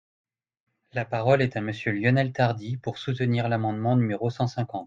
La parole est à Monsieur Lionel Tardy, pour soutenir l’amendement numéro cent cinquante.